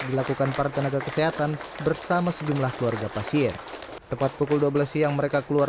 dilakukan para tenaga kesehatan bersama sejumlah keluarga pasien tepat pukul dua belas siang mereka keluar